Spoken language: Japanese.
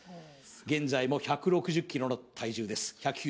現在も１６０ｋｇの体重です